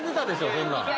そんなん。